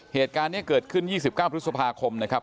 เหตุการณ์นี้เกิดขึ้น๒๙พฤษภาคมนะครับ